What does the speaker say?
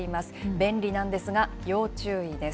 便利なんですが、要注意です。